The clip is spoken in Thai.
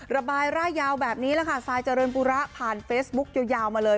ระบายร่ายยาวแบบนี้แหละค่ะทรายเจริญปุระผ่านเฟซบุ๊คยาวมาเลย